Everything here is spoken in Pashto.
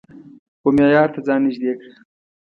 و معیار ته ځان نژدې کړه